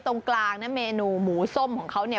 ตรงกลางเมนูหมูส้มของเขา